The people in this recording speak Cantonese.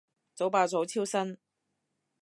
早爆早超生